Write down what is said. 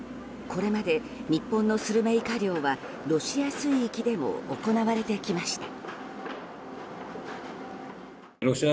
これまで日本のスルメイカ漁はロシア水域でも行われてきました。